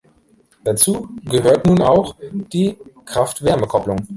Dazu gehört nun auch die Kraft-Wärme-Kopplung.